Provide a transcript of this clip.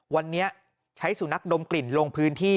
วันนี้ใช้สุนัขดมกลิ่นลงพื้นที่